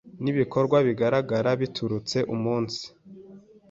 n’ibikorwa bigaragara biturutse umunsi